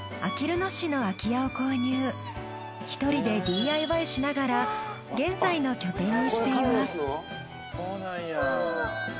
１人でＤＩＹしながら現在の拠点にしています。